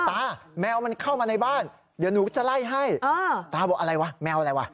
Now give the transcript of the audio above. แมวมันเข้ามาในบ้านเดี๋ยวหนูจะไล่ให้ตาบอกอะไรวะแมวอะไรวะ